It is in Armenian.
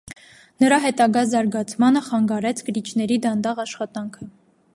Նրա հետագա զարգացմանը խանգարեց կրիչների դանդաղ աշխատանքը։